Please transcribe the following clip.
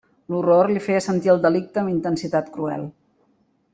L'horror li feia sentir el delicte amb intensitat cruel.